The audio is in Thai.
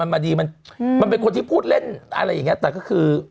มันเป็นคนที่พูดเล่นอะไรอย่างนี้แต่ก็คือ